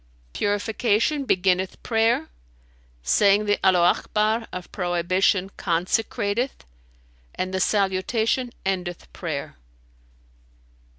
"Purification beginneth prayer, saying the Allaho Akbar of prohibition consecrateth, and the salutation endeth prayer."